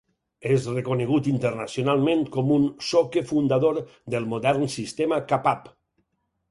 És reconegut internacionalment com un Soke-fundador del modern sistema Kapap.